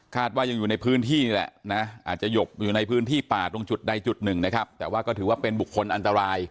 ว่ายังอยู่ในพื้นที่นี่แหละนะอาจจะหยบอยู่ในพื้นที่ป่าตรงจุดใดจุดหนึ่งนะครับแต่ว่าก็ถือว่าเป็นบุคคลอันตราย